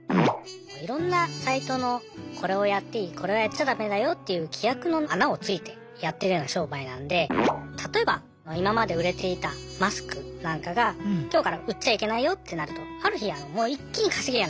いろんなサイトのこれをやっていいこれはやっちゃ駄目だよっていう規約の穴をついてやってるような商売なんで例えば今まで売れていたマスクなんかが今日から売っちゃいけないよってなるとある日もう一気に稼ぎがなくなっちゃう。